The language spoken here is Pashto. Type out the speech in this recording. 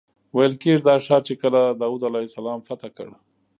ویل کېږي دا ښار چې کله داود علیه السلام فتح کړ.